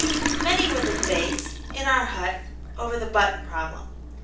Many were the debates, in our hut, over the button problem.